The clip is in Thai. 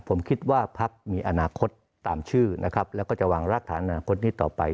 ผมคิดว่าพักมีอนาคตตามชื่อนะครับแล้วก็จะวางรากฐานอนาคตนี้ต่อไป